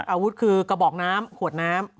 อาวุธคือกระบอกน้ำขวดน้ำ